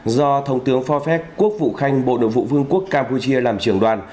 do thống tướng phó phép quốc vũ khanh bộ nội vụ vương quốc campuchia làm trưởng đoàn